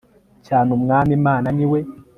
cyane umwami mana niwe